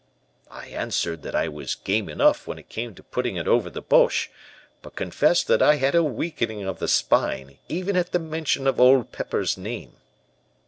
"I answered that I was game enough when it came to putting it over the Boches, but confessed that I had a weakening of the spine, even at the mention of Old Pepper's name.